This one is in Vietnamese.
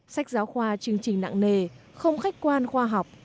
sách giáo khoa chương trình nặng nề không khách quan khoa học